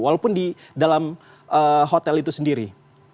walaupun di dalam hotel itu sendiri